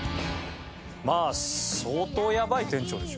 まあ相当やばい店長でしょ